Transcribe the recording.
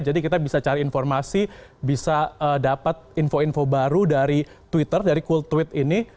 jadi kita bisa cari informasi bisa dapat info info baru dari twitter dari cool tweet ini